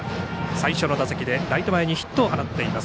最初の打席でライト前ヒットを放ちました。